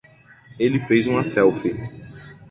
Ele fez uma selfie.